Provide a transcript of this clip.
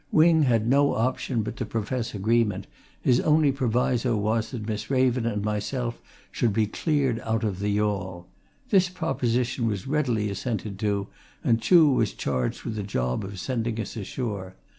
Wing had no option but to profess agreement his only proviso was that Miss Raven and myself should be cleared out of the yawl. This proposition was readily assented to, and Chuh was charged with the job of sending us ashore.